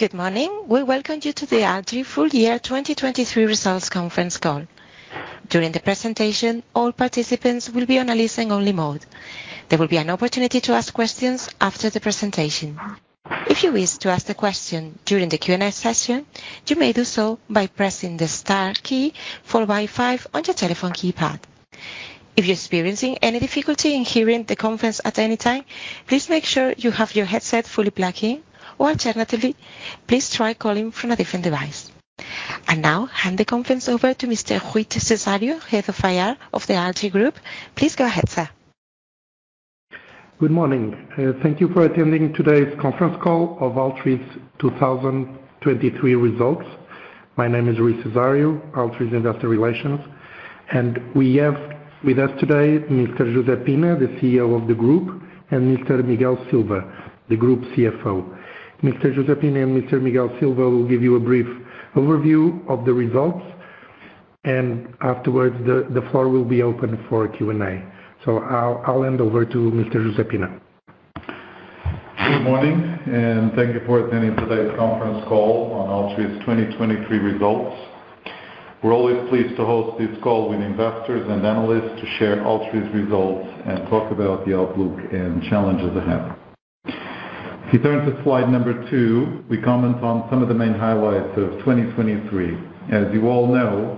Good morning. We welcome you to the Altri full year 2023 results conference call. During the presentation, all participants will be on a listen-only mode. There will be an opportunity to ask questions after the presentation. If you wish to ask a question during the Q&A session, you may do so by pressing the star key followed by five on your telephone keypad. If you're experiencing any difficulty in hearing the conference at any time, please make sure you have your headset fully plugged in, or alternatively, please try calling from a different device. And now, hand the conference over to Mr. Rui Cesário, Head of IR of the Altri Group. Please go ahead, sir. Good morning. Thank you for attending today's conference call of Altri's 2023 results. My name is Rui Cesário, Altri's Investor Relations, and we have with us today, Mr. José Pina, the CEO of the group, and Mr. Miguel Silva, the group CFO. Mr. José Pina and Mr. Miguel Silva will give you a brief overview of the results, and afterwards, the floor will be open for Q&A. So, I'll hand over to Mr. José Pina. Good morning and thank you for attending today's conference call on Altri's 2023 results. We're always pleased to host this call with investors and analysts to share Altri's results and talk about the outlook and challenges ahead. If you turn to slide number two, we comment on some of the main highlights of 2023. As you all know,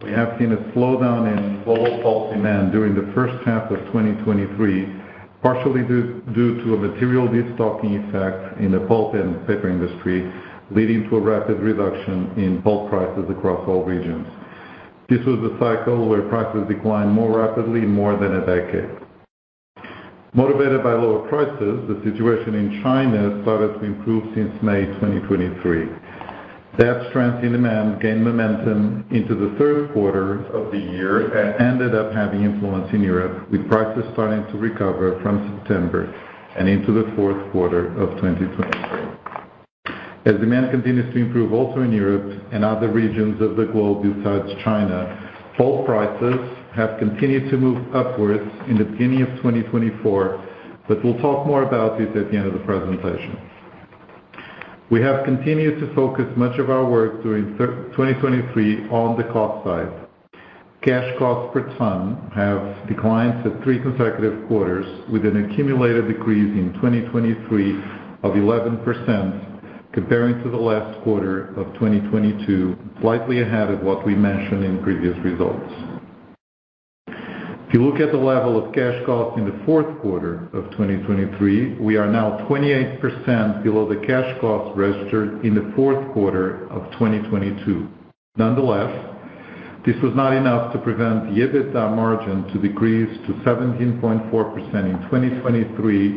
we have seen a slowdown in global pulp demand during the first half of 2023, partially due to a material restocking effect in the pulp and paper industry, leading to a rapid reduction in pulp prices across all regions. This was a cycle where prices declined more rapidly in more than a decade. Motivated by lower prices, the situation in China started to improve since May 2023. That strength in demand gained momentum into the third quarter of the year and ended up having influence in Europe, with prices starting to recover from September and into the fourth quarter of 2023. As demand continues to improve also in Europe and other regions of the globe besides China, pulp prices have continued to move upwards in the beginning of 2024, but we'll talk more about this at the end of the presentation. We have continued to focus much of our work during 2023 on the cost side. Cash costs per ton have declined for three consecutive quarters, with an accumulated decrease in 2023 of 11% comparing to the last quarter of 2022, slightly ahead of what we mentioned in previous results. If you look at the level of cash costs in the fourth quarter of 2023, we are now 28% below the cash costs registered in the fourth quarter of 2022. Nonetheless, this was not enough to prevent the EBITDA margin to decrease to 17.4% in 2023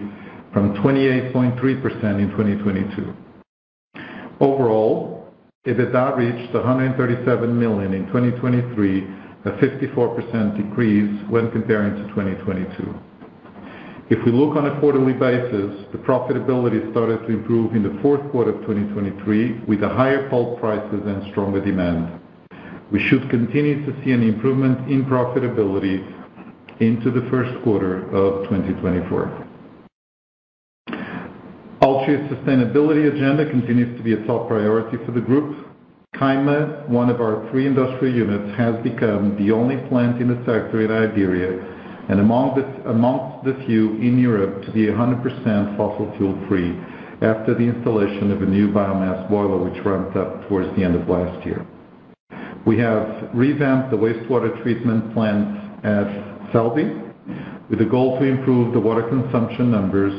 from 28.3% in 2022. Overall, EBITDA reached 137 million in 2023, a 54% decrease when comparing to 2022. If we look on a quarterly basis, the profitability started to improve in the fourth quarter of 2023, with higher pulp prices and stronger demand. We should continue to see an improvement in profitability into the first quarter of 2024. Altri's sustainability agenda continues to be a top priority for the group. Caima, one of our three industrial units, has become the only plant in the sector in Iberia and amongst the few in Europe to be 100% fossil-fuel-free after the installation of a new biomass boiler, which ramped up towards the end of last year. We have revamped the wastewater treatment plant at Celbi, with the goal to improve the water consumption numbers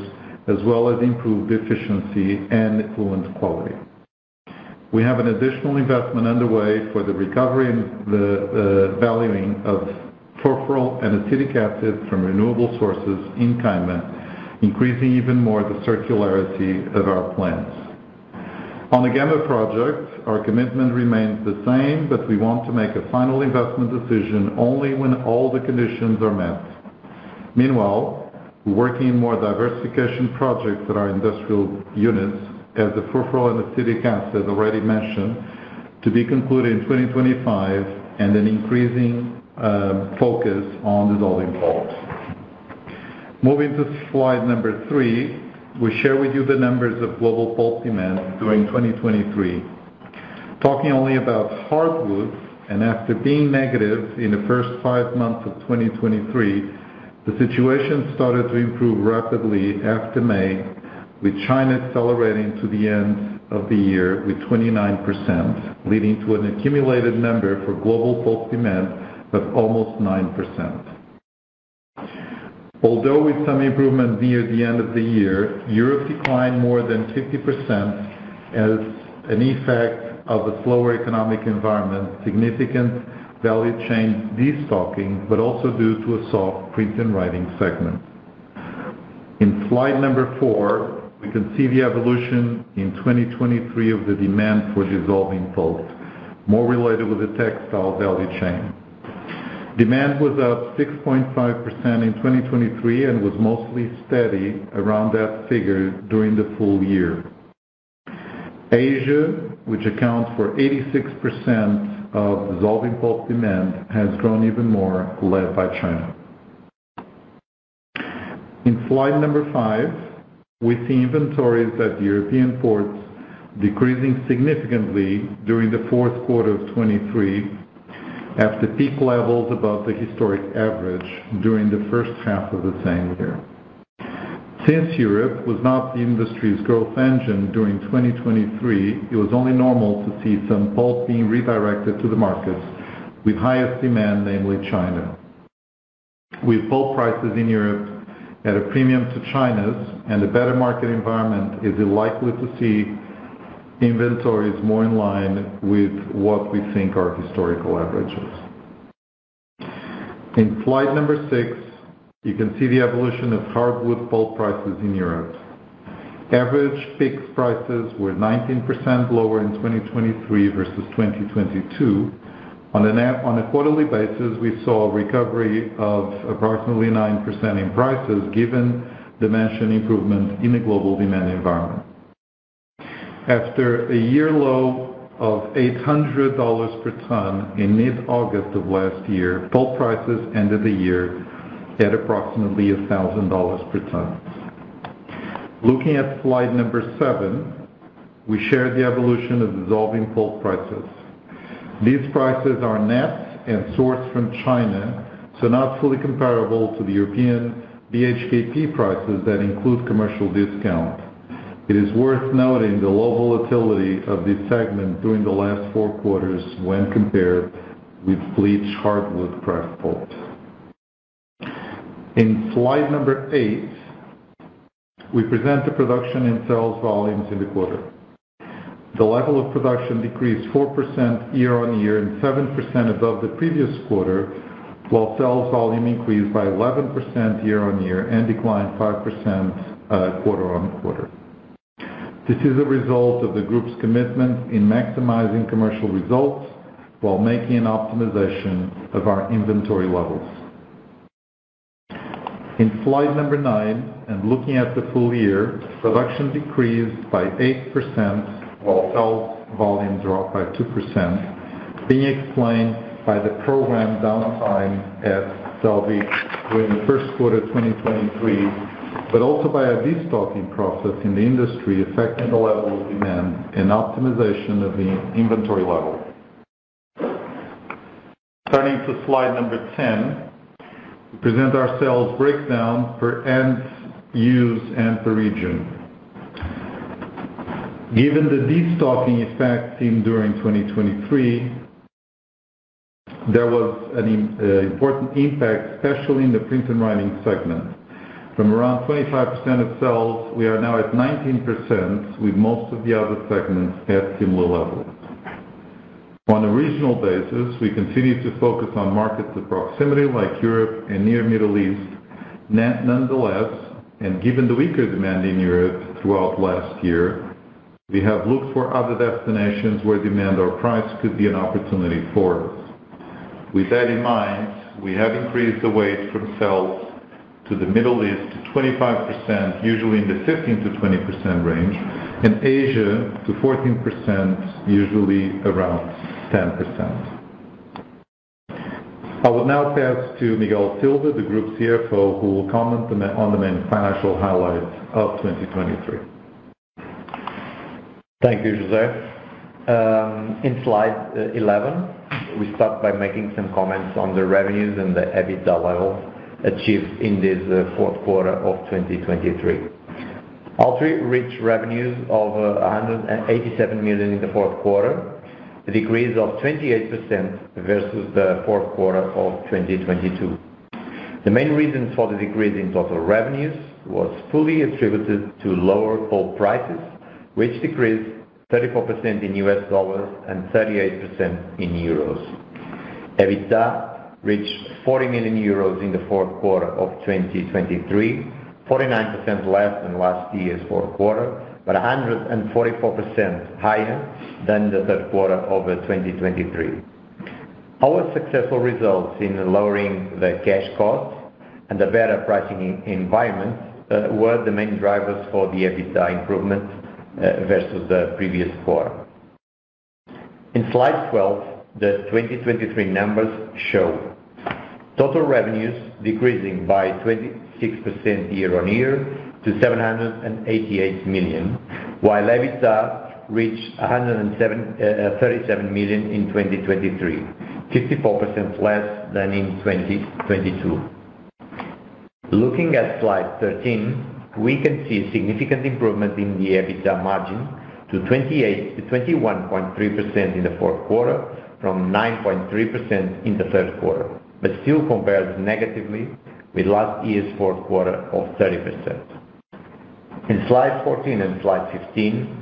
as well as improve the efficiency and effluent quality. We have an additional investment underway for the recovery and the valuing of sulfuric and acetic acids from renewable sources in Caima, increasing even more the circularity of our plants. On the Gama project, our commitment remains the same, but we want to make a final investment decision only when all the conditions are met. Meanwhile, we're working on more diversification projects at our industrial units, as the sulfuric and acetic acids already mentioned, to be concluded in 2025 and an increasing focus on dissolving pulps. Moving to slide number three, we share with you the numbers of global pulp demand during 2023. Talking only about hardwoods, and after being negative in the first 5 months of 2023, the situation started to improve rapidly after May, with China accelerating to the end of the year with 29%, leading to an accumulated number for global pulp demand of almost 9%. Although with some improvement near the end of the year, Europe declined more than 50% as an effect of a slower economic environment, significant value chain restocking, but also due to a soft printing and writing segment. In slide four, we can see the evolution in 2023 of the demand for dissolving pulp, more related with the textile value chain. Demand was up 6.5% in 2023 and was mostly steady around that figure during the full year. Asia, which accounts for 86% of dissolving pulp demand, has grown even more, led by China. In slide five, we see inventories at European ports decreasing significantly during the fourth quarter of 2023 after peak levels above the historic average during the first half of the same year. Since Europe was not the industry's growth engine during 2023, it was only normal to see some pulp being redirected to the markets, with highest demand namely China. With pulp prices in Europe at a premium to China's and a better market environment, it's likely to see inventories more in line with what we think are historical averages. In slide number six, you can see the evolution of hardwood pulp prices in Europe. Average PIX prices were 19% lower in 2023 versus 2022. On a quarterly basis, we saw a recovery of approximately 9% in prices given the mentioned improvement in the global demand environment. After a year-low of $800 per ton in mid-August of last year, pulp prices ended the year at approximately $1,000 per ton. Looking at slide number seven, we share the evolution of dissolving pulp prices. These prices are net and sourced from China, so not fully comparable to the European BHKP prices that include commercial discount. It is worth noting the low volatility of this segment during the last four quarters when compared with bleached hardwood kraft pulps. In slide number eight, we present the production and sales volumes in the quarter. The level of production decreased 4% year-on-year and 7% above the previous quarter, while sales volume increased by 11% year-on-year and declined 5%, quarter-on-quarter. This is a result of the group's commitment in maximizing commercial results while making an optimization of our inventory levels. In slide number nine, and looking at the full year, production decreased by 8% while sales volume dropped by 2%, being explained by the program downtime at Celbi during the first quarter of 2023, but also by a restocking process in the industry affecting the level of demand and optimization of the inventory level. Turning to slide number 10, we present our sales breakdown per end use and per region. Given the restocking effect seen during 2023, there was an important impact, especially in the printing and writing segment. From around 25% of sales, we are now at 19%, with most of the other segments at similar levels. On a regional basis, we continue to focus on markets of proximity like Europe and Near Middle East. Nonetheless, and given the weaker demand in Europe throughout last year, we have looked for other destinations where demand or price could be an opportunity for us. With that in mind, we have increased the weight from sales to the Middle East to 25%, usually in the 15%-20% range, and Asia to 14%, usually around 10%. I will now pass to Miguel Silva, the Group CFO, who will comment to me on the main financial highlights of 2023. Thank you, José. In slide 11, we start by making some comments on the revenues and the EBITDA levels achieved in this fourth quarter of 2023. Altri reached revenues of 187 million in the fourth quarter, a decrease of 28% versus the fourth quarter of 2022. The main reasons for the decrease in total revenues were fully attributed to lower pulp prices, which decreased 34% in U.S. dollars and 38% in euros. EBITDA reached 40 million euros in the fourth quarter of 2023, 49% less than last year's fourth quarter, but 144% higher than the third quarter of 2023. Our successful results in lowering the cash costs and a better pricing environment were the main drivers for the EBITDA improvement versus the previous quarter. In slide 12, the 2023 numbers show total revenues decreasing by 26% year-on-year to 788 million, while EBITDA reached 107.37 million in 2023, 54% less than in 2022. Looking at slide 13, we can see a significant improvement in the EBITDA margin to 21.3% in the fourth quarter from 9.3% in the third quarter but still compares negatively with last year's fourth quarter of 30%. In slides 14 and 15,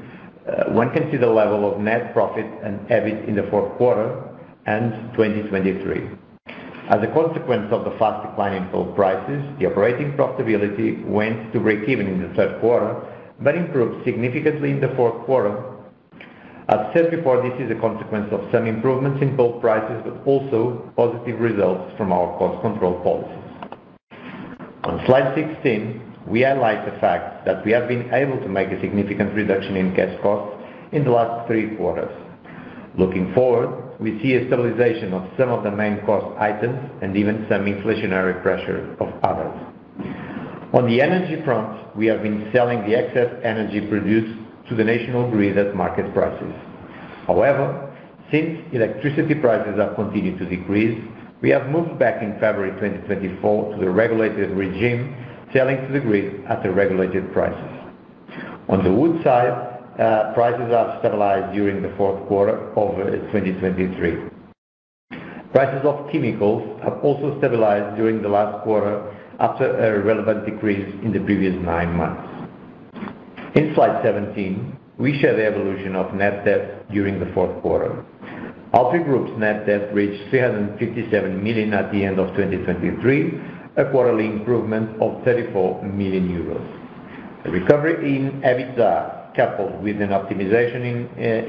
one can see the level of net profit and EBIT in the fourth quarter and 2023. As a consequence of the fast decline in pulp prices, the operating profitability went to break even in the third quarter but improved significantly in the fourth quarter. As said before, this is a consequence of some improvements in pulp prices but also positive results from our cost control policies. On slide 16, we highlight the fact that we have been able to make a significant reduction in cash costs in the last three quarters. Looking forward, we see a stabilization of some of the main cost items and even some inflationary pressure of others. On the energy front, we have been selling the excess energy produced to the national grid at market prices. However, since electricity prices have continued to decrease, we have moved back in February 2024 to the regulated regime, selling to the grid at the regulated prices. On the wood side, prices have stabilized during the fourth quarter of 2023. Prices of chemicals have also stabilized during the last quarter after a relevant decrease in the previous nine months. In slide 17, we share the evolution of net debt during the fourth quarter. Altri Group's net debt reached 357 million at the end of 2023, a quarterly improvement of 34 million euros. A recovery in EBITDA coupled with an optimization in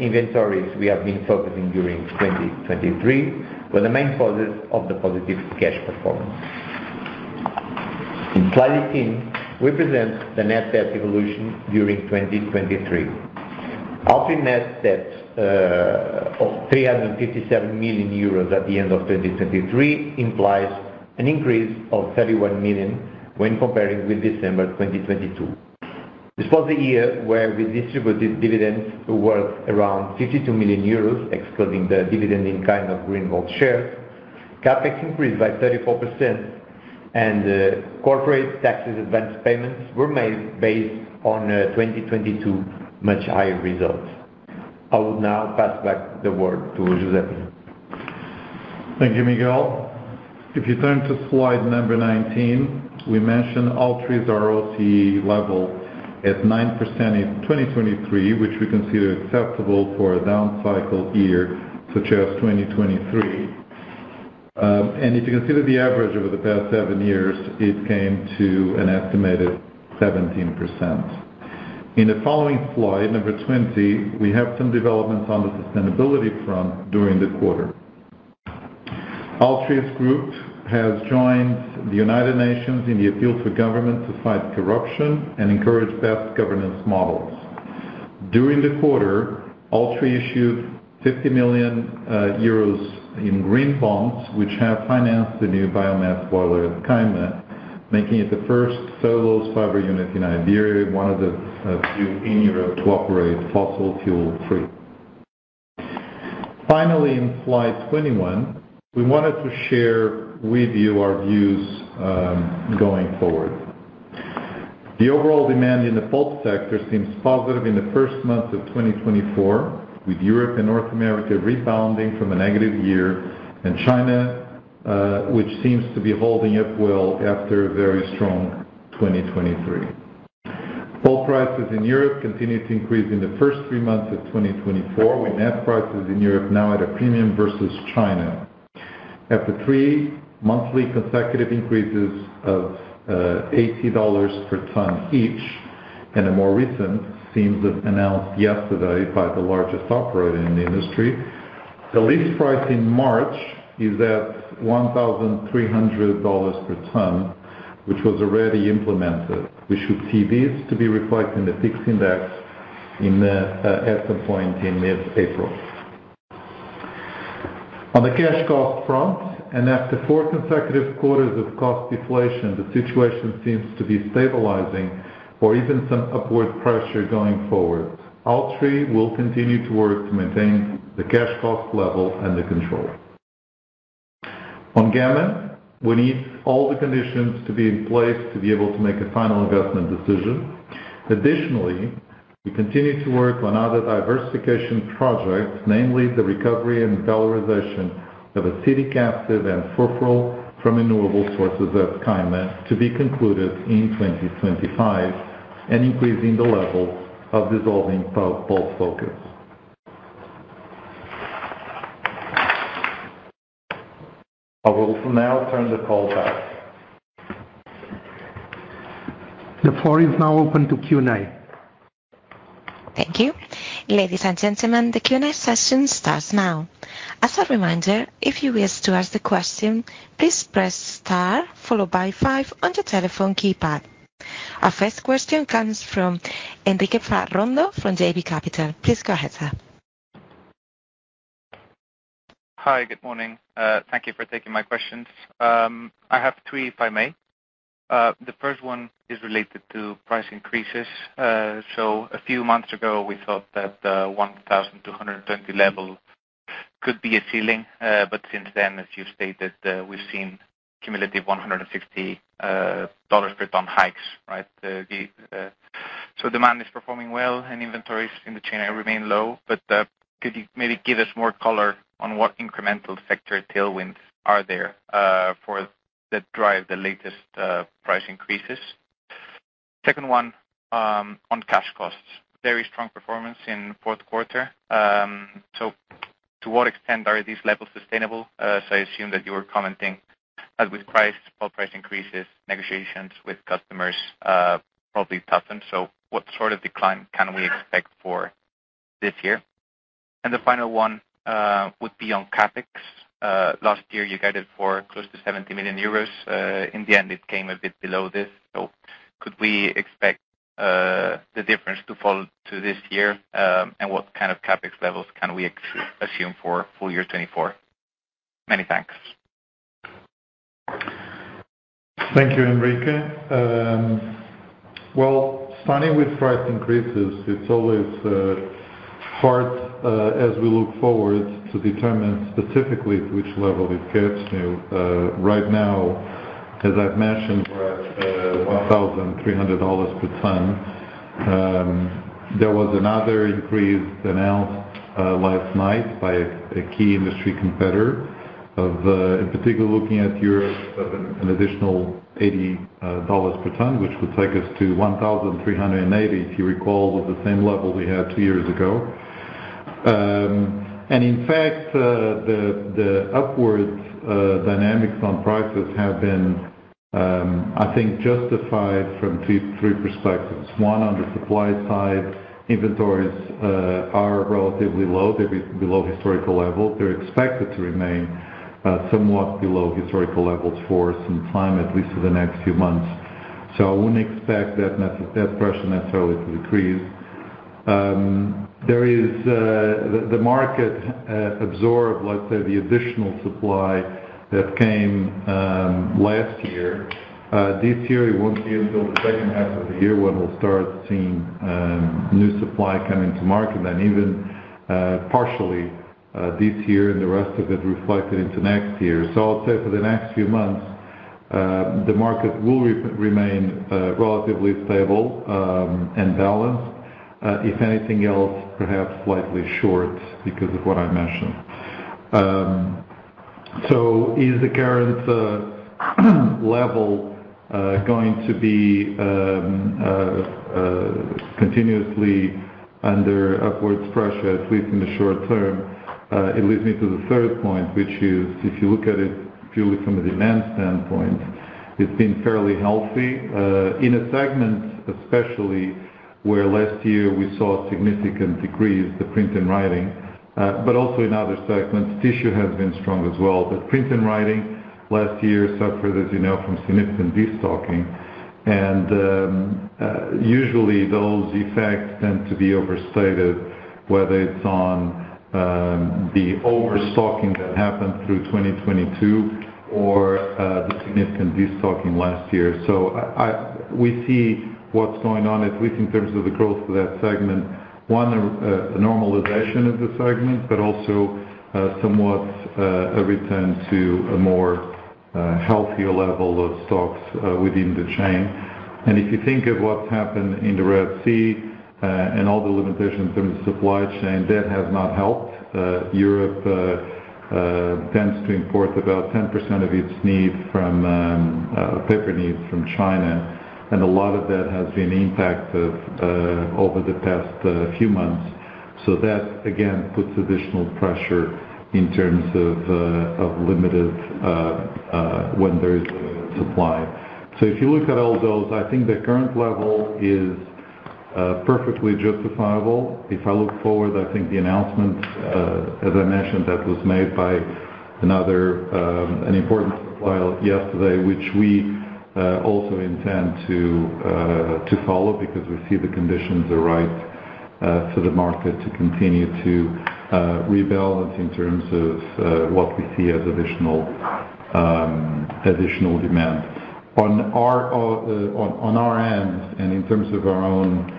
inventories we have been focusing during 2023 were the main causes of the positive cash performance. In slide 18, we present the net debt evolution during 2023. Altri net debt, of 357 million euros at the end of 2023 implies an increase of 31 million when comparing with December 2022. This was the year where we distributed dividends worth around 52 million euros, excluding the dividend in-kind of Greenvolt shares. CapEx increased by 34%, and corporate taxes advance payments were made based on 2022 much higher results. I will now pass back the word to José. Thank you, Miguel. If you turn to slide 19, we mention Altri's ROC level at 9% in 2023, which we consider acceptable for a downcycle year such as 2023. And if you consider the average over the past seven years, it came to an estimated 17%. In the following slide 20, we have some developments on the sustainability front during the quarter. Altri Group has joined the United Nations in the appeal to government to fight corruption and encourage best governance models. During the quarter, Altri issued 50 million euros in green bonds, which have financed the new biomass boiler at Caima, making it the first cellulose fiber unit in Iberia, one of the few in Europe to operate fossil fuel-free. Finally, in slide 21, we wanted to share with you our views going forward. The overall demand in the pulp sector seems positive in the first months of 2024, with Europe and North America rebounding from a negative year and China, which seems to be holding up well after a very strong 2023. Pulp prices in Europe continue to increase in the first three months of 2024, with net prices in Europe now at a premium versus China. After three monthly consecutive increases of $80 per ton each and a more recent increase announced yesterday by the largest operator in the industry, the list price in March is at $1,300 per ton, which was already implemented. We should see this to be reflected in the PIX index in the at some point in mid-April. On the cash cost front, and after four consecutive quarters of cost deflation, the situation seems to be stabilizing or even some upward pressure going forward. Altri will continue to work to maintain the cash cost level and the control. On Gama, we need all the conditions to be in place to be able to make a final investment decision. Additionally, we continue to work on other diversification projects, namely the recovery and valorization of acetic acid and sulfuric acid from renewable sources at Caima to be concluded in 2025 and increasing the level of dissolving pulp focus. I will now turn the call back. The floor is now open to Q&A. Thank you. Ladies and gentlemen, the Q&A session starts now. As a reminder, if you wish to ask a question, please press star followed by five on your telephone keypad. Our first question comes from Enrique Parrondo from JB Capital. Please go ahead, sir. Hi. Good morning. Thank you for taking my questions. I have three, if I may. The first one is related to price increases. So a few months ago, we thought that the 1,220 level could be a ceiling. But since then, as you've stated, we've seen cumulative $160 per ton hikes, right? The S&D demand is performing well, and inventories in the chain remain low. But could you maybe give us more color on what incremental sector tailwinds are there for that drive the latest price increases? Second one, on cash costs. Very strong performance in fourth quarter. So to what extent are these levels sustainable? So I assume that you were commenting that with pulp price increases, negotiations with customers probably toughen. So what sort of decline can we expect for this year? And the final one would be on CapEx. Last year, you guided for close to 70 million euros. In the end, it came a bit below this. So could we expect, the difference to fall to this year, and what kind of CapEx levels can we assume for full year 2024? Many thanks. Thank you, Enrique. Well, starting with price increases, it's always hard, as we look forward to determine specifically to which level it gets. You know, right now, as I've mentioned, we're at $1,300 per ton. There was another increase announced last night by a key industry competitor of, in particular, looking at Europe of an additional $80 per ton, which would take us to $1,380, if you recall, was the same level we had two years ago. And in fact, the upwards dynamics on prices have been, I think, justified from two, three perspectives. One, on the supply side, inventories are relatively low. They're below historical levels. They're expected to remain somewhat below historical levels for some time, at least for the next few months. So I wouldn't expect that pressure necessarily to decrease. There is the market absorbed, let's say, the additional supply that came last year. This year, it won't be until the second half of the year when we'll start seeing new supply coming to market and even partially this year and the rest of it reflected into next year. So I'll say for the next few months, the market will remain relatively stable and balanced. If anything else, perhaps slightly short because of what I mentioned. So is the current level going to be continuously under upwards pressure, at least in the short term? It leads me to the third point, which is if you look at it purely from a demand standpoint, it's been fairly healthy in a segment especially where last year we saw a significant decrease, the printing and writing. But also in other segments, tissue has been strong as well. But printing and writing last year suffered, as you know, from significant destocking. And usually, those effects tend to be overstated, whether it's the overstocking that happened through 2022 or the significant destocking last year. So we see what's going on, at least in terms of the growth of that segment: a normalization of the segment, but also somewhat a return to a more healthier level of stocks within the chain. And if you think of what's happened in the Red Sea, and all the limitations in terms of supply chain, that has not helped. Europe tends to import about 10% of its paper needs from China. And a lot of that has been impacted over the past few months. So that again puts additional pressure in terms of limited supply. So if you look at all those, I think the current level is perfectly justifiable. If I look forward, I think the announcement, as I mentioned, that was made by another, an important supplier yesterday, which we also intend to follow because we see the conditions are right for the market to continue to rebalance in terms of what we see as additional demand. On our on our end and in terms of our own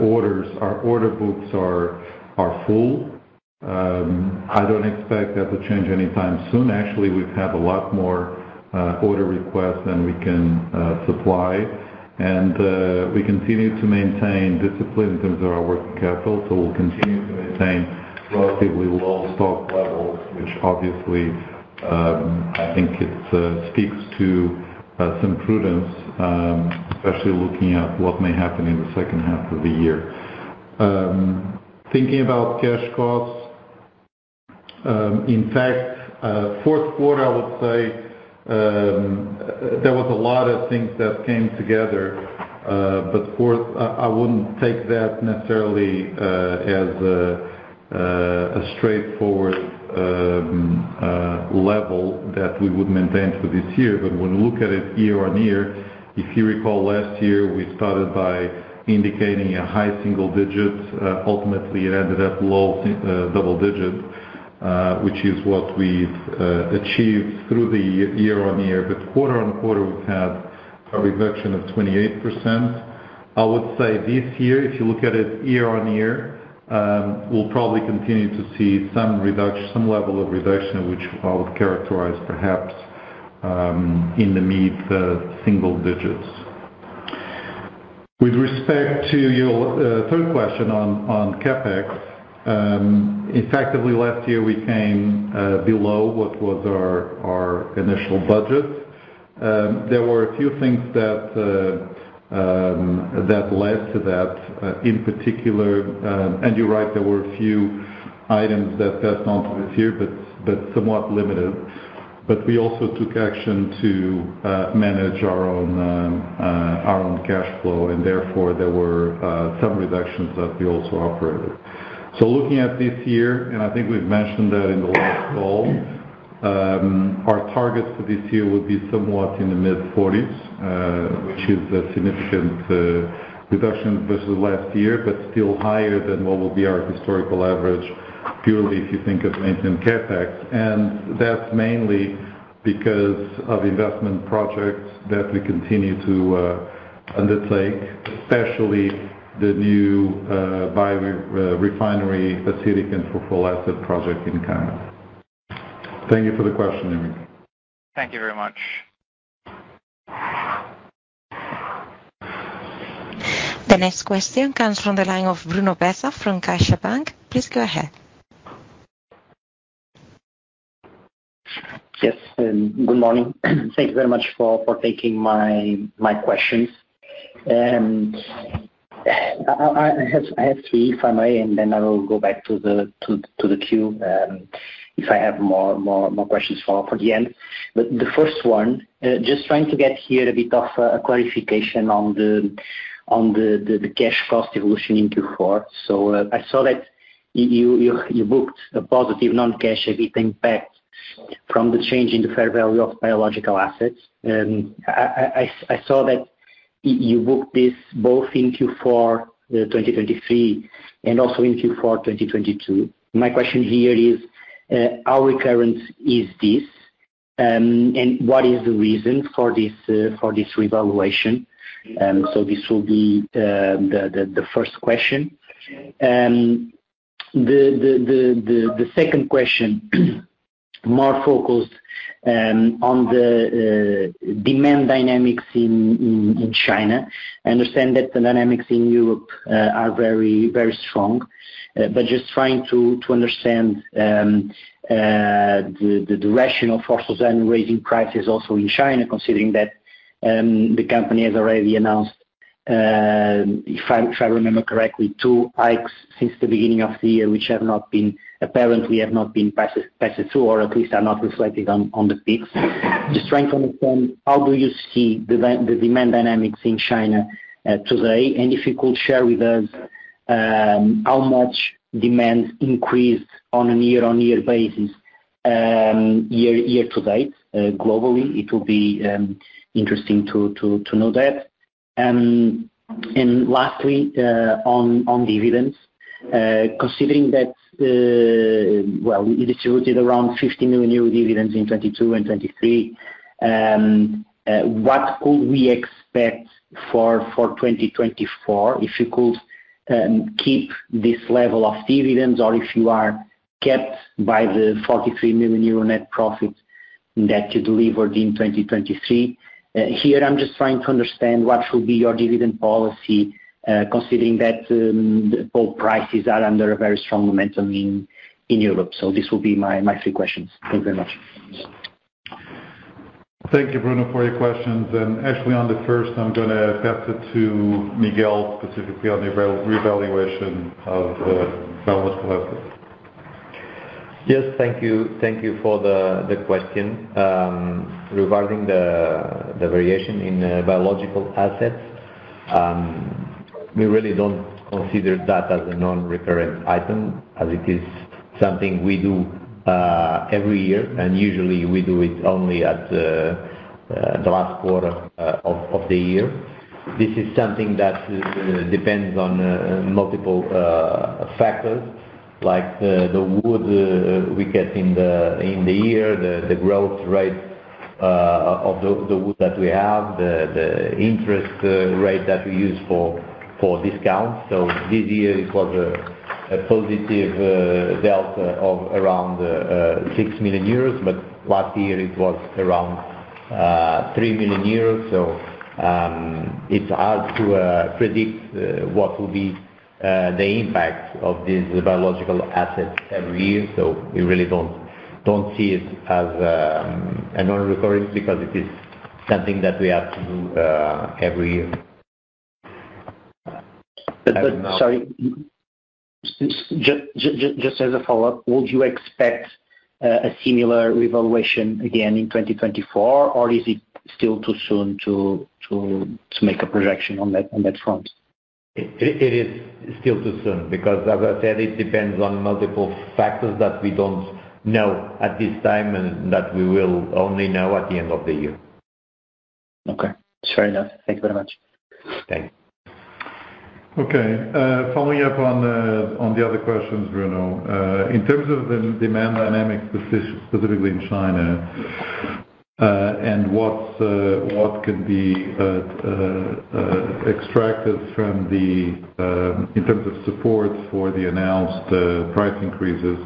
orders, our order books are full. I don't expect that to change anytime soon. Actually, we've had a lot more order requests than we can supply. And we continue to maintain discipline in terms of our working capital. So we'll continue to maintain relatively low stock levels, which obviously, I think it speaks to some prudence, especially looking at what may happen in the second half of the year. Thinking about cash costs, in fact, fourth quarter, I would say, there was a lot of things that came together. But fourth, I wouldn't take that necessarily as a straightforward level that we would maintain for this year. But when we look at it year-on-year, if you recall last year, we started by indicating a high single digit. Ultimately, it ended up low single double digit, which is what we've achieved through the year-on-year. But quarter-on-quarter, we've had a reduction of 28%. I would say this year, if you look at it year-on-year, we'll probably continue to see some level of reduction, which I would characterize perhaps in the mid- to single digits. With respect to your third question on CapEx, effectively, last year, we came below what was our initial budget. There were a few things that led to that, in particular. And you're right. There were a few items that passed on to this year, but somewhat limited. But we also took action to manage our own cash flow. And therefore, there were some reductions that we also operated. So looking at this year and I think we've mentioned that in the last call, our targets for this year would be somewhat in the mid-40s, which is a significant reduction versus last year, but still higher than what would be our historical average purely if you think of maintenance CapEx. And that's mainly because of investment projects that we continue to undertake, especially the new biorefinery acetic and sulfuric acid project in Caima. Thank you for the question, Enrique. Thank you very much. The next question comes from the line of Bruno Bessa from CaixaBank. Please go ahead. Yes. Good morning. Thank you very much for taking my questions. I have three, if I may, and then I will go back to the queue, if I have more questions for the end. But the first one, just trying to get here a bit of a clarification on the cash cost evolution in Q4. So, I saw that you booked a positive non-cash equity impact from the change in the fair value of biological assets. I saw that you booked this both in Q4 2023 and also in Q4 2022. My question here is, how recurrent is this? And what is the reason for this revaluation? So this will be the first question. The second question, more focused on the demand dynamics in China. I understand that the dynamics in Europe are very strong, but just trying to understand the rationale for Suzano raising prices also in China, considering that the company has already announced, if I remember correctly, two hikes since the beginning of the year, which have not been apparently passed through or at least are not reflected on the PIX. Just trying to understand how do you see the demand dynamics in China today? And if you could share with us how much demand increased on a year-on-year basis year to date globally, it will be interesting to know that. And lastly, on dividends, considering that, well, it distributed around 50 million euro dividends in 2022 and 2023, what could we expect for 2024 if you could keep this level of dividends or if you are kept by the 43 million euro net profit that you delivered in 2023? Here, I'm just trying to understand what will be your dividend policy, considering that the pulp prices are under a very strong momentum in Europe. So this will be my three questions. Thank you very much. Thank you, Bruno, for your questions. Actually, on the first, I'm going to pass it to Miguel, specifically on the revaluation of biological assets. Yes. Thank you. Thank you for the question regarding the variation in biological assets. We really don't consider that as a non-recurrent item as it is something we do every year. And usually, we do it only at the last quarter of the year. This is something that depends on multiple factors like the wood we get in the year, the growth rate of the wood that we have, the interest rate that we use for discounts. So this year, it was a positive delta of around 6 million euros. But last year, it was around 3 million euros. So it's hard to predict what will be the impact of these biological assets every year. So we really don't see it as a non-recurrent because it is something that we have to do every year. Sorry. Just as a follow-up, would you expect a similar revaluation again in 2024, or is it still too soon to make a projection on that front? It is still too soon because, as I said, it depends on multiple factors that we don't know at this time and that we will only know at the end of the year. Okay. That's fair enough. Thank you very much. Thanks. Okay. Following up on the other questions, Bruno, in terms of the demand dynamics specifically in China, and what can be extracted from the, in terms of support for the announced price increases,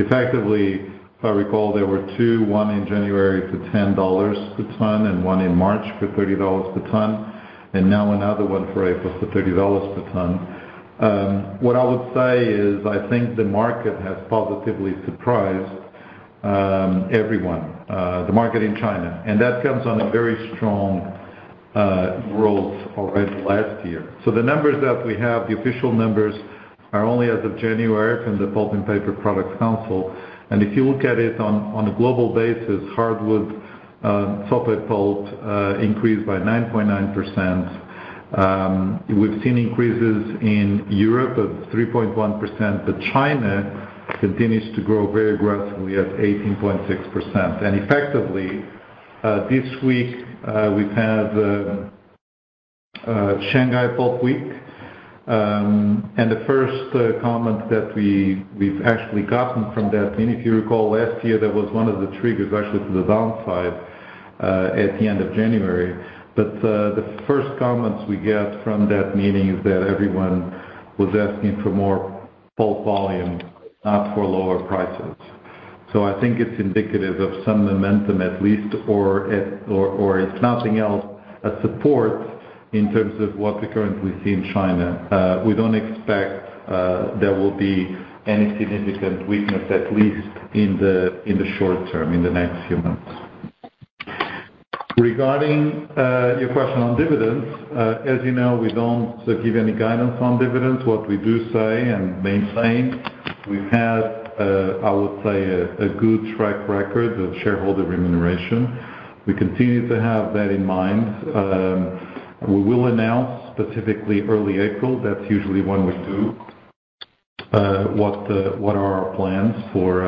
effectively, if I recall, there were two, one in January for $10 a ton and one in March for $30 a ton, and now another one for April for $30 a ton. What I would say is I think the market has positively surprised everyone, the market in China. And that comes on a very strong growth already last year. So the numbers that we have, the official numbers, are only as of January from the Pulp and Paper Products Council. And if you look at it on a global basis, hardwood sulfate pulp increased by 9.9%. We've seen increases in Europe of 3.1%, but China continues to grow very aggressively at 18.6%. Effectively, this week, we've had Shanghai Pulp Week, and the first comment that we, we've actually gotten from that meeting, if you recall, last year, that was one of the triggers actually to the downside, at the end of January. But the first comments we get from that meeting is that everyone was asking for more pulp volume, not for lower prices. So I think it's indicative of some momentum, at least, or at or, or if nothing else, a support in terms of what we currently see in China. We don't expect there will be any significant weakness, at least in the short term, in the next few months. Regarding your question on dividends, as you know, we don't give any guidance on dividends. What we do say and maintain is we've had, I would say, a, a good track record of shareholder remuneration. We continue to have that in mind. We will announce specifically early April - that's usually when we do - what, what are our plans for,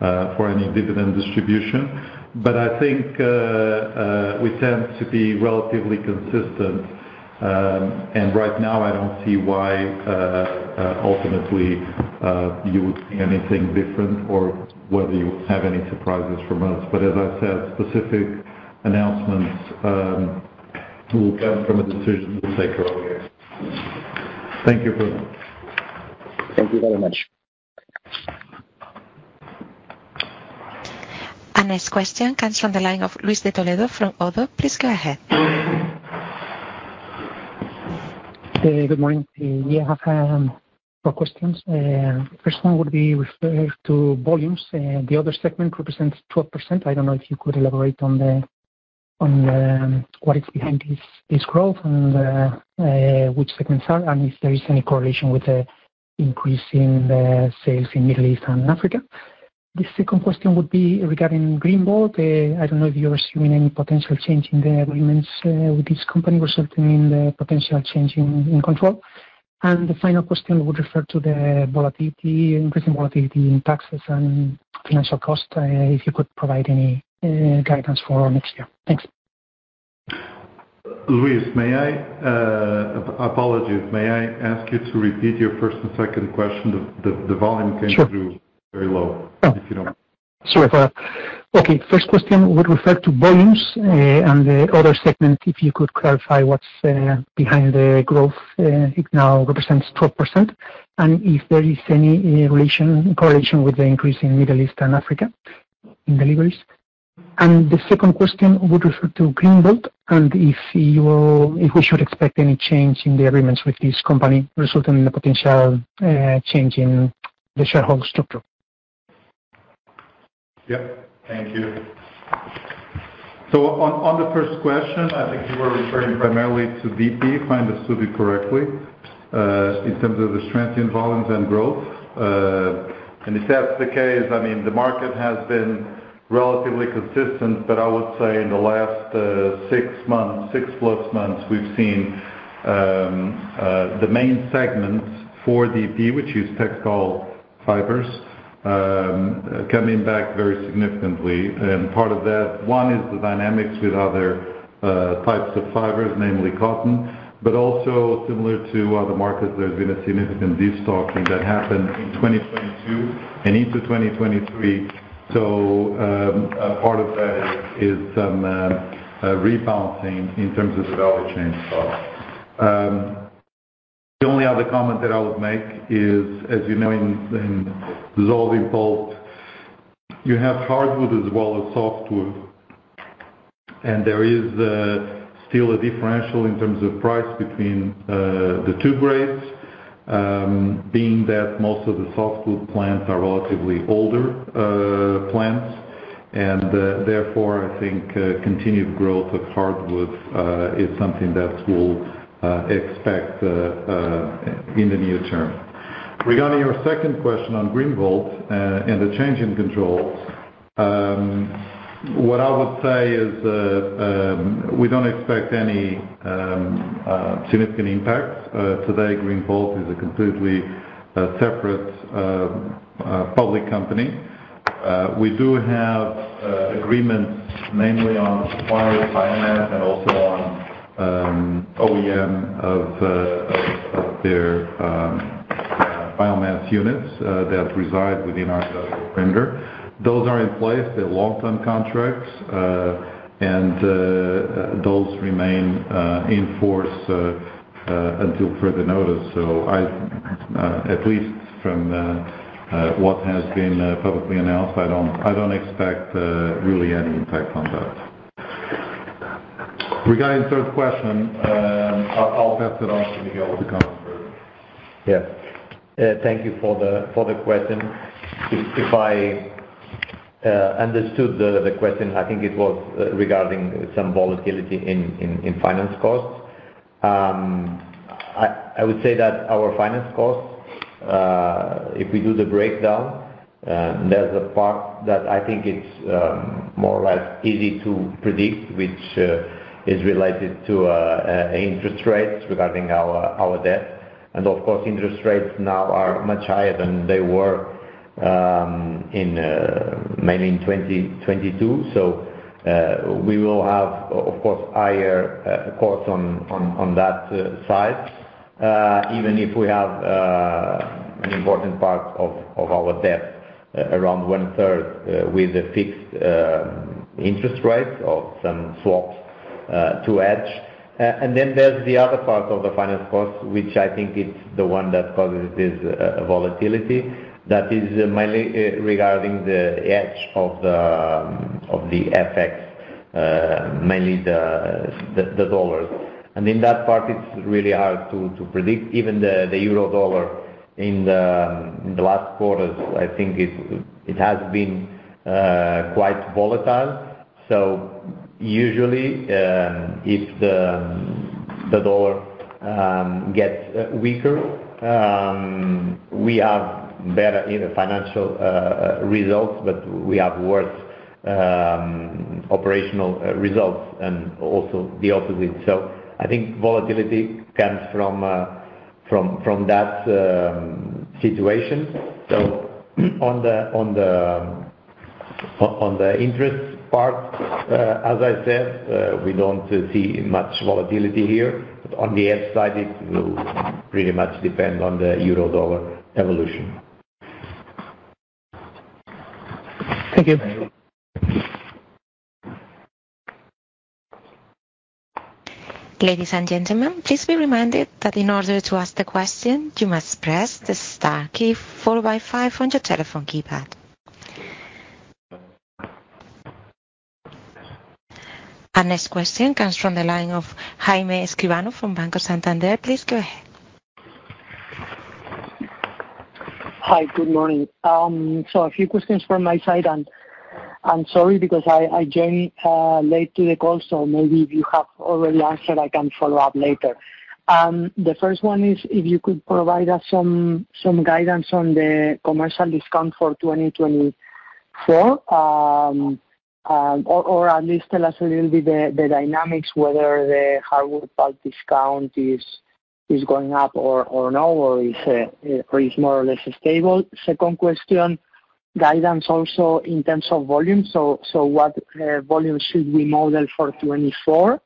for any dividend distribution. But I think, we tend to be relatively consistent. And right now, I don't see why, ultimately, you would see anything different or whether you would have any surprises from us. But as I said, specific announcements, will come from a decision we'll take earlier. Thank you, Bruno. Thank you very much. Our next question comes from the line of Luis de Toledo from ODDO. Please go ahead. Hey. Good morning. Yeah. I have four questions. The first one would be referring to volumes. The other segment represents 12%. I don't know if you could elaborate on what is behind this growth and which segments are and if there is any correlation with the increase in sales in the Middle East and Africa. The second question would be regarding Greenvolt. I don't know if you're assuming any potential change in the agreements with this company resulting in the potential change in control. And the final question would refer to the volatility, increasing volatility in taxes and financial cost, if you could provide any guidance for next year. Thanks. Luis, may I, apologies. May I ask you to repeat your first and second question? The volume came through. Sure. Very low, if you don't. Sorry for that. Okay. First question would refer to volumes, and the other segment, if you could clarify what's behind the growth. It now represents 12%. And if there is any relation, correlation with the increase in Middle East and Africa in deliveries. And the second question would refer to Greenvolt and if you will, if we should expect any change in the agreements with this company resulting in the potential change in the shareholder structure. Yep. Thank you. So on the first question, I think you were referring primarily to DP, if I understood you correctly, in terms of the strength in volumes and growth. And if that's the case, I mean, the market has been relatively consistent. But I would say in the last six months, six-plus months, we've seen the main segments for DP, which is textile fibers, coming back very significantly. And part of that one is the dynamics with other types of fibers, namely cotton. But also, similar to other markets, there's been a significant destocking that happened in 2022 and into 2023. So part of that is some rebounding in terms of the value chain stock. The only other comment that I would make is, as you know, in dissolving pulp, you have hardwood as well as softwood. There is still a differential in terms of price between the two grades, being that most of the softwood plants are relatively older plants. Therefore, I think continued growth of hardwood is something that we'll expect in the near term. Regarding your second question on Greenvolt, and the change in controls, what I would say is we don't expect any significant impacts. Today, Greenvolt is a completely separate public company. We do have agreements, namely on acquired biomass and also on O&M of their biomass units that reside within our perimeter. Those are in place. They're long-term contracts, and those remain in force until further notice. So I, at least from what has been publicly announced, I don't I don't expect really any impact on that. Regarding third question, I'll pass it on to Miguel for the comments first. Yeah. Thank you for the question. If I understood the question, I think it was regarding some volatility in finance costs. I would say that our finance costs, if we do the breakdown, there's a part that I think it's more or less easy to predict, which is related to interest rates regarding our debt. And of course, interest rates now are much higher than they were, mainly in 2022. So, we will have, of course, higher costs on that side, even if we have an important part of our debt, around one-third, with a fixed interest rate or some swaps to hedge. And then there's the other part of the finance costs, which I think it's the one that causes this volatility that is mainly regarding the hedge of the FX, mainly the dollars. And in that part, it's really hard to predict. Even the euro-dollar in the last quarters, I think it has been quite volatile. So usually, if the dollar gets weaker, we have better financial results. But we have worse operational results and also the opposite. So I think volatility comes from that situation. So on the interest part, as I said, we don't see much volatility here. But on the other side, it will pretty much depend on the euro-dollar evolution. Thank you. Ladies and gentlemen, please be reminded that in order to ask the question, you must press star one on your telephone keypad. Our next question comes from the line of Jaime Escribano from Banco Santander. Please go ahead. Hi. Good morning. So a few questions from my side. And sorry because I joined late to the call. So maybe if you have already answered, I can follow up later. The first one is if you could provide us some guidance on the commercial discount for 2024, or at least tell us a little bit the dynamics, whether the hardwood pulp discount is going up or no, or is more or less stable. Second question, guidance also in terms of volume. So what volume should we model for 2024?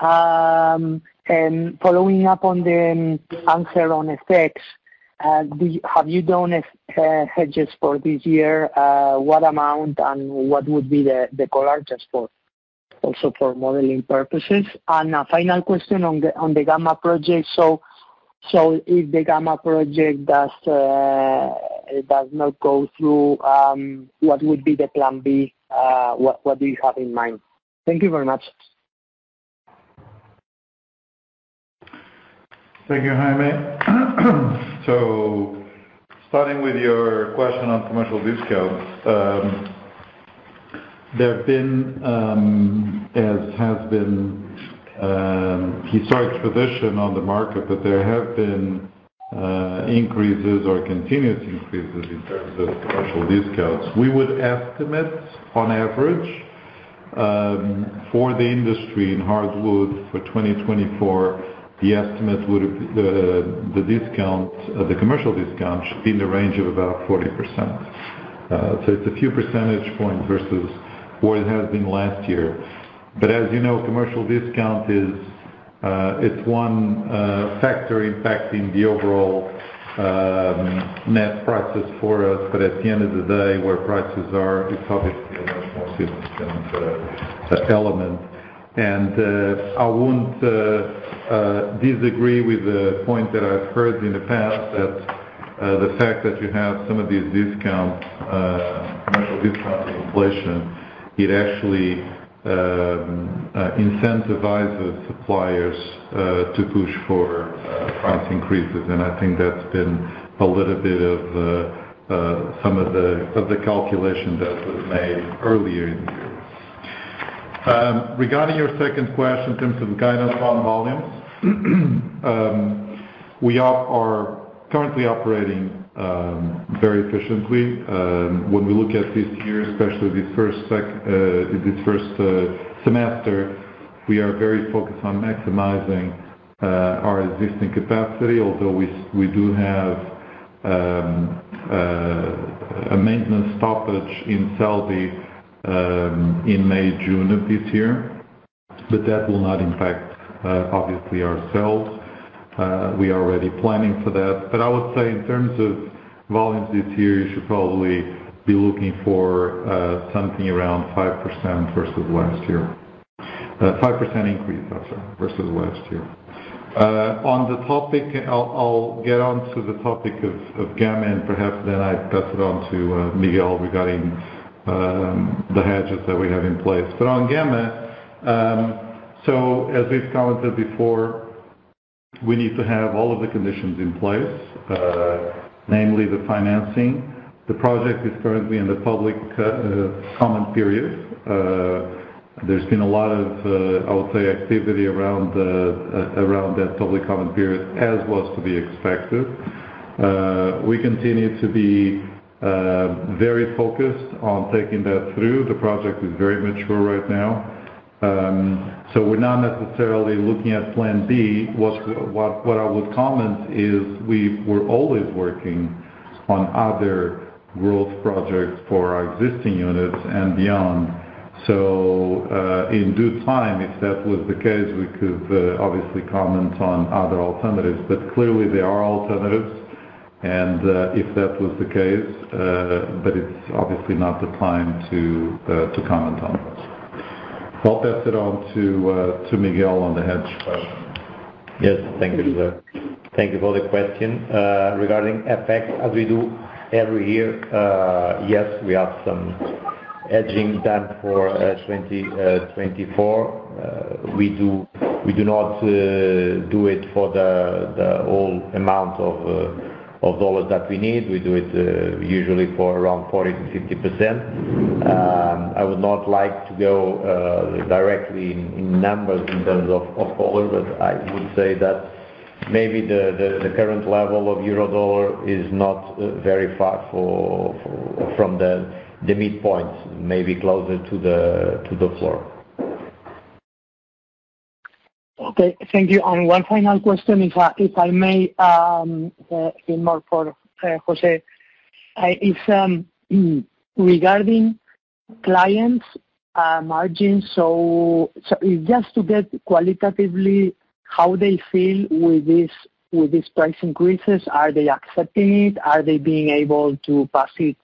And following up on the answer on FX, have you done FX hedges for this year? What amount and what would be the collar just for modeling purposes? And a final question on the Gama project. So, if the Project Gama does not go through, what would be the Plan B? What do you have in mind? Thank you very much. Thank you, Jaime. So starting with your question on commercial discount, there have been, as has been, historic tradition on the market, that there have been, increases or continuous increases in terms of commercial discounts. We would estimate, on average, for the industry in hardwood for 2024, the estimate would have the, the discount, the commercial discount should be in the range of about 40%. So it's a few percentage points versus what it has been last year. But as you know, commercial discount is, it's one, factor impacting the overall, net prices for us. But at the end of the day, where prices are, it's obviously a much more significant, element. And, I wouldn't, disagree with the point that I've heard in the past that, the fact that you have some of these discounts, commercial discount inflation, it actually, incentivizes suppliers, to push for, price increases. And I think that's been a little bit of some of the calculation that was made earlier in the year. Regarding your second question in terms of guidance on volumes, we are currently operating very efficiently. When we look at this year, especially this first semester, we are very focused on maximizing our existing capacity, although we do have a maintenance stoppage in Celbi in May, June of this year. But that will not impact, obviously, ourselves. We are already planning for that. But I would say in terms of volumes this year, you should probably be looking for something around 5% versus last year. 5% increase, I'm sorry, versus last year. On the topic I'll get onto the topic of Gama. And perhaps then I pass it on to Miguel regarding the hedges that we have in place. But on Gama, so as we've commented before, we need to have all of the conditions in place, namely the financing. The project is currently in the public comment period. There's been a lot of, I would say, activity around that public comment period as was to be expected. We continue to be very focused on taking that through. The project is very mature right now. So we're not necessarily looking at plan B. What, what, what I would comment is we were always working on other growth projects for our existing units and beyond. So, in due time, if that was the case, we could, obviously, comment on other alternatives. But clearly, there are alternatives. If that was the case, but it's obviously not the time to, to comment on that. So I'll pass it on to, to Miguel on the hedging question. Yes. Thank you, José. Thank you for the question. Regarding FX, as we do every year, yes, we have some hedging done for 2024. We do not do it for the whole amount of dollars that we need. We do it usually for around 40%-50%. I would not like to go directly in numbers in terms of collar. But I would say that maybe the current level of euro-dollar is not very far from the midpoint, maybe closer to the floor. Okay. Thank you. And one final question, if I may, José. It's regarding clients' margins. So, it's just to get qualitatively how they feel with these price increases. Are they accepting it? Are they being able to pass it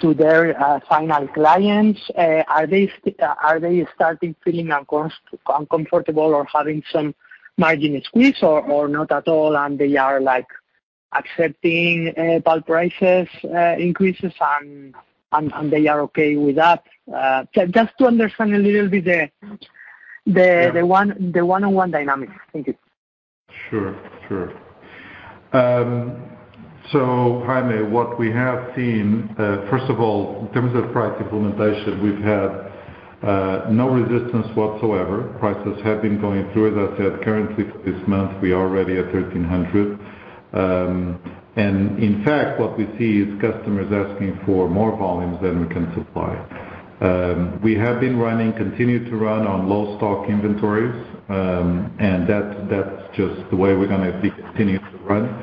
to their final clients? Are they starting feeling uncomfortable or having some margin squeeze or not at all? And they are, like, accepting pulp prices increases? And they are okay with that? Just to understand a little bit the one-on-one dynamics. Thank you. Sure. Sure. So, Jaime, what we have seen, first of all, in terms of price implementation, we've had no resistance whatsoever. Prices have been going through, as I said, currently for this month. We are already at $1,300. And in fact, what we see is customers asking for more volumes than we can supply. We have been running, continue to run, on low-stock inventories. And that, that's just the way we're gonna be continuing to run,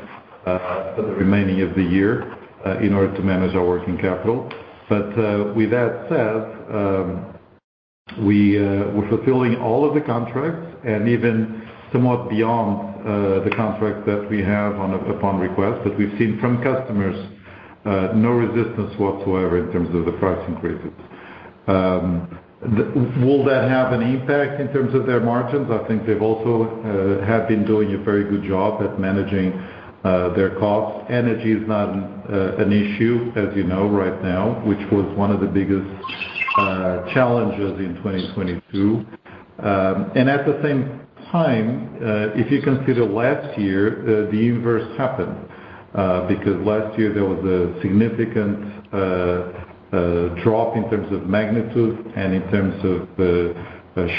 for the remaining of the year, in order to manage our working capital. But with that said, we, we're fulfilling all of the contracts and even somewhat beyond, the contracts that we have, upon request. But we've seen from customers, no resistance whatsoever in terms of the price increases. Well, will that have an impact in terms of their margins? I think they've also have been doing a very good job at managing their costs. Energy is not an an issue, as you know, right now, which was one of the biggest challenges in 2022. At the same time, if you consider last year, the inverse happened, because last year, there was a significant drop in terms of magnitude and in terms of the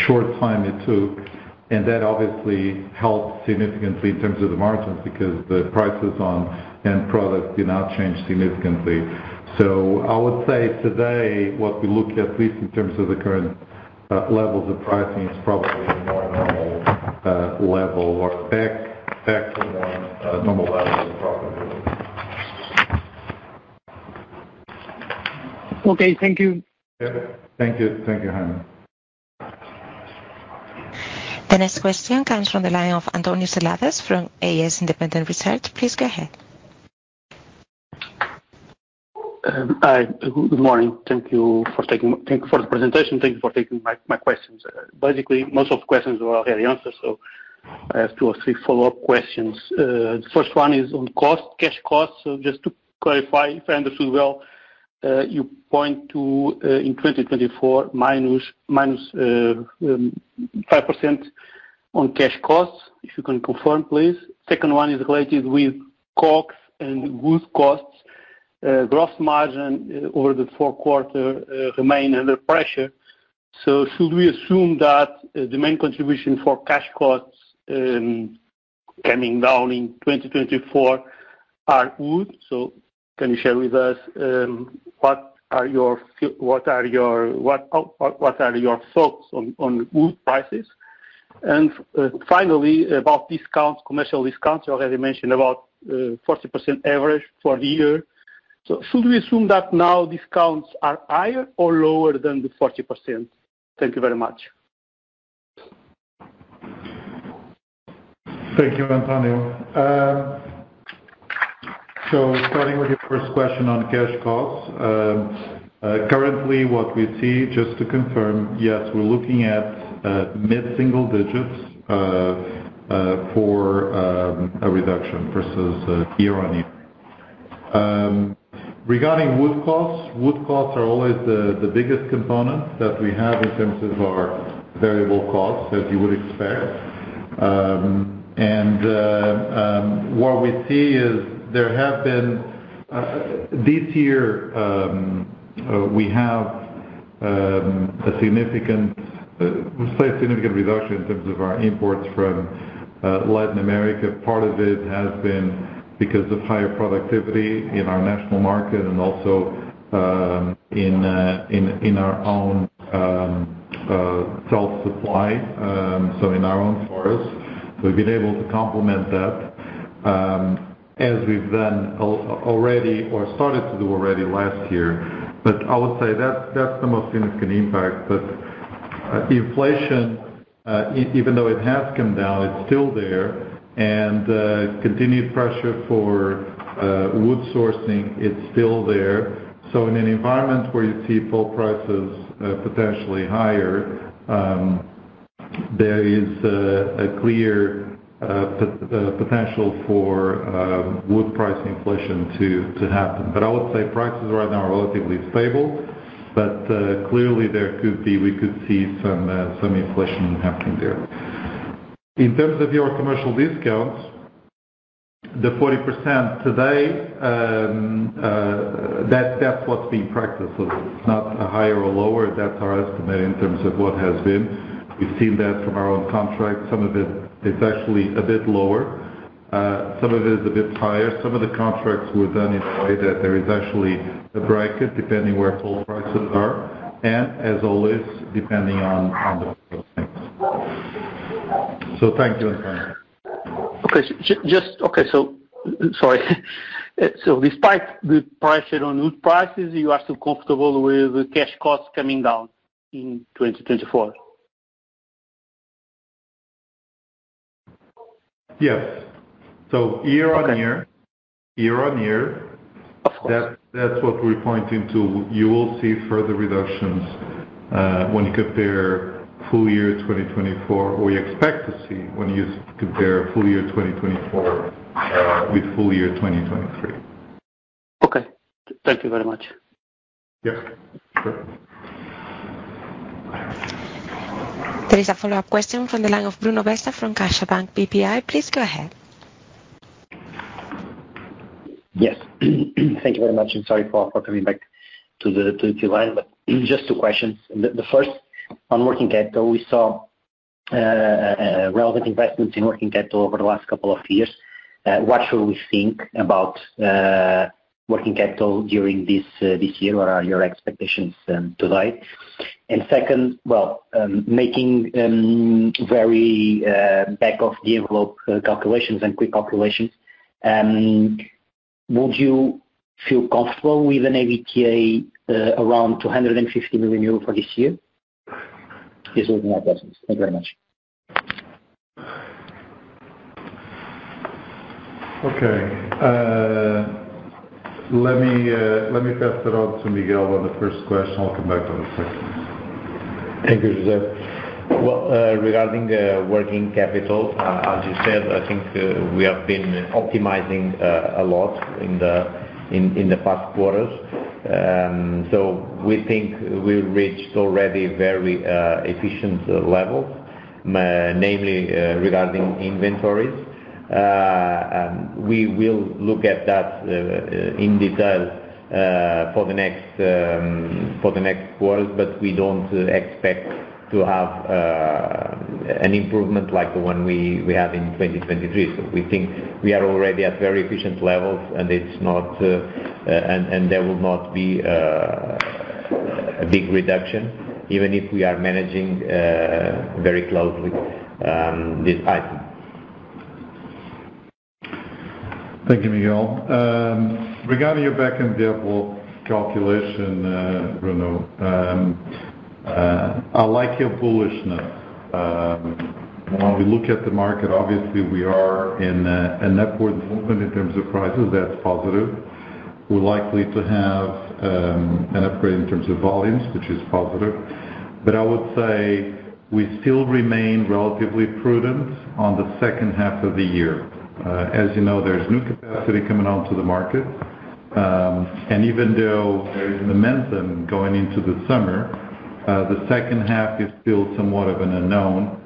short time it took. That obviously helped significantly in terms of the margins because the prices on end product did not change significantly. So I would say today, what we look at, at least in terms of the current levels of pricing, is probably a more normal level or back back to more normal level of profitability. Okay. Thank you. Yep. Thank you. Thank you, Jaime. The next question comes from the line of António Seladas from AS Independent Research. Please go ahead. Hi. Good morning. Thank you for taking thank you for the presentation. Thank you for taking my, my questions. Basically, most of the questions were already answered. So I have two or three follow-up questions. The first one is on cost, cash costs. So just to clarify, if I understood well, you point to, in 2024, -5% on cash costs, if you can confirm, please. Second one is related with COGS and wood costs. Gross margin, over the fourth quarter, remain under pressure. So should we assume that, the main contribution for cash costs, coming down in 2024 are wood? So can you share with us, what are your thoughts on, on wood prices? And, finally, about discounts, commercial discounts. You already mentioned about, 40% average for the year. Should we assume that now discounts are higher or lower than the 40%? Thank you very much. Thank you, António. So starting with your first question on cash costs, currently, what we see, just to confirm, yes, we're looking at mid-single digits for a reduction versus year-on-year. Regarding wood costs, wood costs are always the biggest component that we have in terms of our variable costs, as you would expect. And what we see is there have been this year, we have a significant reduction in terms of our imports from Latin America. Part of it has been because of higher productivity in our national market and also in our own self-supply, so in our own forest. So we've been able to complement that, as we've done already or started to do already last year. But I would say that's the most significant impact. But inflation, even though it has come down, it's still there. Continued pressure for wood sourcing, it's still there. So in an environment where you see pulp prices potentially higher, there is a clear potential for wood price inflation to happen. But I would say prices right now are relatively stable. But clearly, we could see some inflation happening there. In terms of your commercial discounts, the 40% today, that's what's being practiced. So it's not a higher or lower. That's our estimate in terms of what has been. We've seen that from our own contracts. Some of it, it's actually a bit lower. Some of it is a bit higher. Some of the contracts were done in a way that there is actually a bracket depending where pulp prices are and, as always, depending on the price points. So thank you, António. Okay. Just okay. So sorry. So despite the pressure on wood prices, you are still comfortable with the cash costs coming down in 2024? Yes. So year-on-year, year-on-year. Of course. That's what we're pointing to. You will see further reductions when you compare full year 2024, or you expect to see when you compare full year 2024 with full year 2023. Okay. Thank you very much. Yep. Sure. There is a follow-up question from the line of Bruno Bessa from CaixaBank BPI. Please go ahead. Yes. Thank you very much. And sorry for coming back to the line. But just two questions. The first, on working capital, we saw relevant investments in working capital over the last couple of years. What should we think about working capital during this year? What are your expectations today? And second, well, making very back-of-the-envelope calculations and quick calculations, would you feel comfortable with an EBITDA around 250 million euros for this year? These would be my questions. Thank you very much. Okay. Let me, let me pass it on to Miguel on the first question. I'll come back on the second. Thank you, José. Well, regarding working capital, as you said, I think we have been optimizing a lot in the past quarters. So we think we've reached already very efficient levels, namely regarding inventories. We will look at that in detail for the next quarters. But we don't expect to have an improvement like the one we had in 2023. So we think we are already at very efficient levels. And it's not, and there will not be a big reduction even if we are managing very closely this item. Thank you, Miguel. Regarding your back-of-the-envelope calculation, Bruno, I like your bullishness. When we look at the market, obviously, we are in an upward movement in terms of prices. That's positive. We're likely to have an upgrade in terms of volumes, which is positive. But I would say we still remain relatively prudent on the second half of the year. As you know, there's new capacity coming onto the market. And even though there is momentum going into the summer, the second half is still somewhat of an unknown.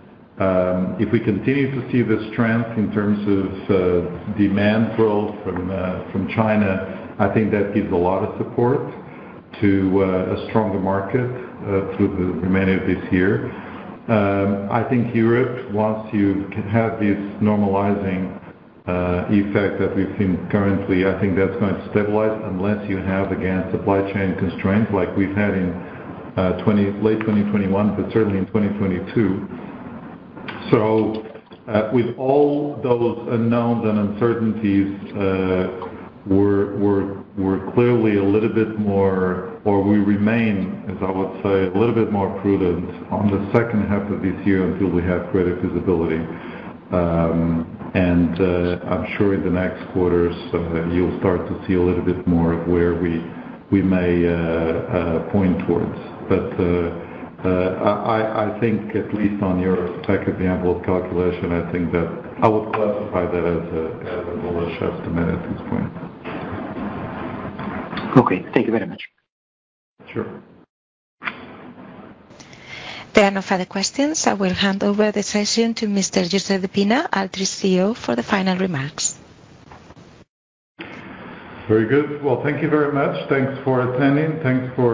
If we continue to see this trend in terms of demand growth from China, I think that gives a lot of support to a stronger market through the remainder of this year. I think Europe, once you have this normalizing effect that we've seen currently, I think that's going to stabilize unless you have, again, supply chain constraints like we've had in 2020, late 2021 but certainly in 2022. So, with all those unknowns and uncertainties, we're clearly a little bit more or we remain, as I would say, a little bit more prudent on the second half of this year until we have greater visibility. I'm sure in the next quarters, you'll start to see a little bit more of where we may point towards. But, I think at least on your back-of-the-envelope calculation, I think that I would classify that as a bullish estimate at this point. Okay. Thank you very much. Sure. There are no further questions. I will hand over the session to Mr. José Pina, Altri CEO, for the final remarks. Very good. Well, thank you very much. Thanks for attending. Thanks for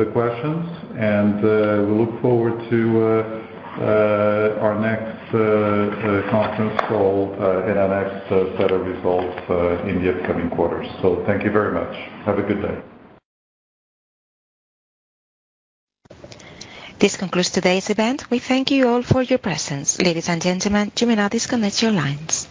the questions. We look forward to our next conference call, and our next set of results, in the upcoming quarters. Thank you very much. Have a good day. This concludes today's event. We thank you all for your presence. Ladies and gentlemen, you may now disconnect your lines.